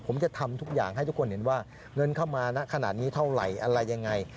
ผมจะทำทุกอย่างให้ทุกคนเห็นว่าเงินเข้ามาณขนาดนี้เท่าไหร่อะไรยังไง